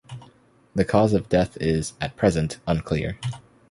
The cause of death is at present, unclear.